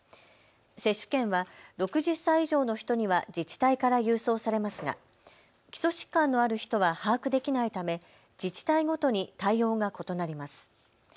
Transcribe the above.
接種券は６０歳以上の人には自治体から郵送されますが基礎疾患のある人は把握できないため自治体ごとに対応が異なります。